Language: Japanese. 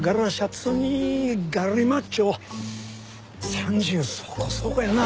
３０そこそこやな